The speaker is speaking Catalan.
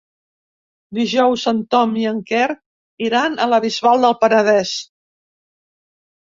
Dijous en Tom i en Quer iran a la Bisbal del Penedès.